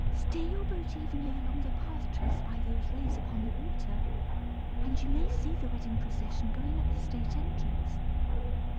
Steer your boat evenly along the path traced by those rays upon the water, and you may see the wedding procession go in at the state entrance.